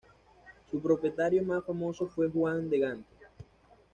Su propietario más famoso fue Juan de Gante.